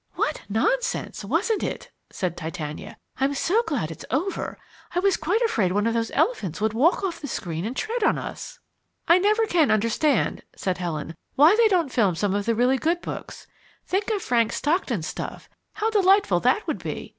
"What nonsense, wasn't it?" said Titania. "I'm so glad it's over! I was quite afraid one of those elephants would walk off the screen and tread on us." "I never can understand," said Helen, "why they don't film some of the really good books think of Frank Stockton's stuff, how delightful that would be.